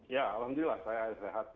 ya alhamdulillah saya sehat